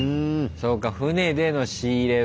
そうか船での仕入れだ。